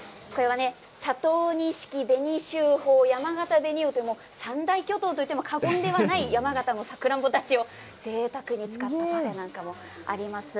佐藤錦、紅秀峰、やまがた紅王と三大巨頭といっても過言ではない山形のサクランボたちをぜいたくに使ったパフェなんかもあります。